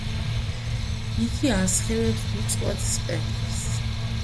იგი ასხივებს უწყვეტ სპექტრს.